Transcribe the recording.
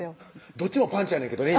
どっちもパンチやねんけどね